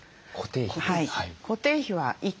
はい。